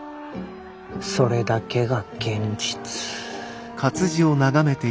それだけが現実。